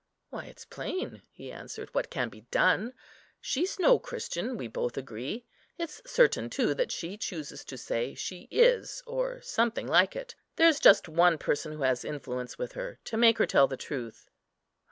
"Why, it's plain," he answered, "what can be done. She's no Christian, we both agree. It's certain, too, that she chooses to say she is, or something like it. There's just one person who has influence with her, to make her tell the truth."